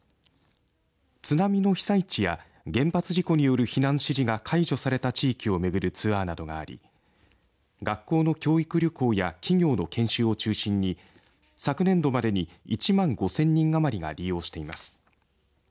津波の被災地や原発事故による避難指示が解除された地域を巡るツアーなどがあり学校の教育旅行や企業の研修を中心に昨年度までに１万５０００人余りが利用しています。